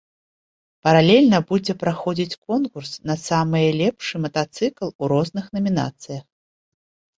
Паралельна будзе праходзіць конкурс на самыя лепшыя матацыкл у розных намінацыях.